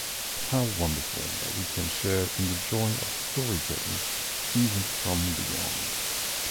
How wonderful that we can share in the joy of storytelling even from beyond.